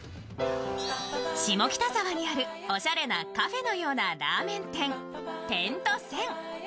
下北沢にあるおしゃれなカフェのようなラーメン店、点と線．。